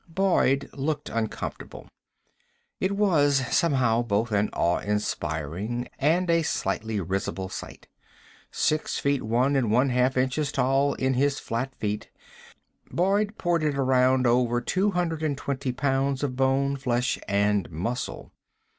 Boyd looked uncomfortable. It was, somehow, both an awe inspiring and a slightly risible sight. Six feet one and one half inches tall in his flat feet, Boyd ported around over two hundred and twenty pounds of bone, flesh and muscle.